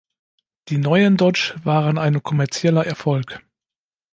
Die neuen Dodge waren ein kommerzieller Erfolg.